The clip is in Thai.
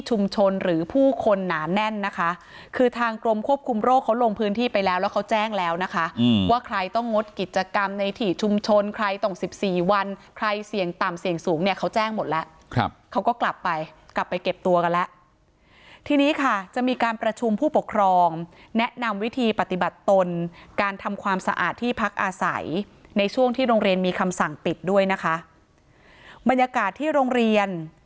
คุณปกปิดการให้ข้อมูลตั้งแต่วันแรกคุณปกปิดการให้ข้อมูลตั้งแต่วันแรกคุณปกปิดการให้ข้อมูลตั้งแต่วันแรกคุณปกปิดการให้ข้อมูลตั้งแต่วันแรกคุณปกปิดการให้ข้อมูลตั้งแต่วันแรกคุณปกปิดการให้ข้อมูลตั้งแต่วันแรกคุณปกปิดการให้ข้อมูลตั้งแต่วันแรกคุณปกปิดการให